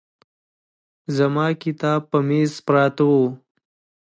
زما کتاب په مېز پراته وو.